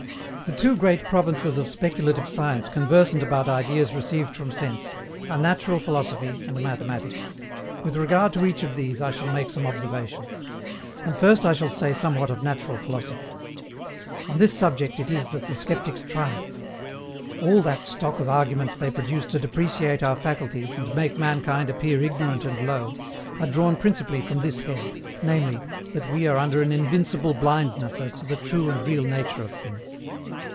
The two great provinces of speculative science conversant about ideas received from sense, are Natural Philosophy and Mathematics; with regard to each of these I shall make some observations. And first I shall say somewhat of Natural Philosophy. On this subject it is that the sceptics triumph. All that stock of arguments they produce to depreciate our faculties and make mankind appear ignorant and low, are drawn principally from this head, namely, that we are under an invincible blindness as to the true and real nature of things.